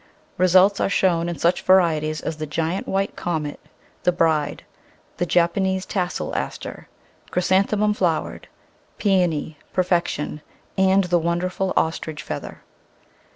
Results are shown in such varieties as the Giant White Comet, the Bride, the Japanese Tassel Aster, Chrysanthemum Flowered, Peony, Perfection, and the wonderful Ostrich Feather.